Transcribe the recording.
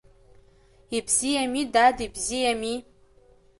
Ибзиами, дад, ибзиами.